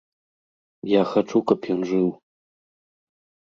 Я хачу, каб ён жыў.